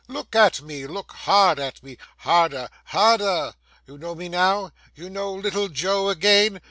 'Look at me, look hard at me,—harder, harder. You know me now? You know little Joe again?